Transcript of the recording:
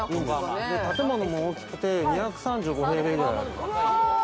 建物も大きくて２３５平米くらいある。